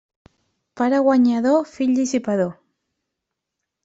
Pare guanyador, fill dissipador.